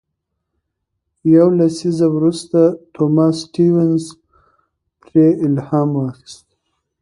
یو لسیزه وروسته توماس سټيونز پرې الهام واخیست.